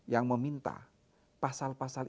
yang meminta pasal pasal